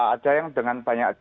ada yang dengan banyak